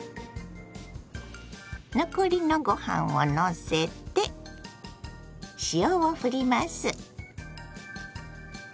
残りのご飯をのせて塩をふります。